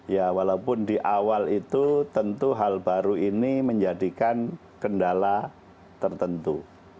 ya walaupun di awal itu tentu hal baru ini menjadikan kendala tertentu